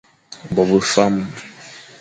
Bo be fam.